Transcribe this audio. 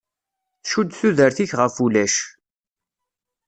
Tcudd tudert-ik ɣef wulac.